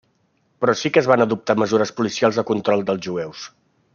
Però sí que es van adoptar mesures policials de control dels jueus.